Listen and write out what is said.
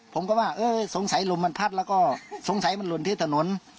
ผมก็ว่าเออสงสัยลมมันพัดแล้วก็สงสัยมันหล่นที่ถนน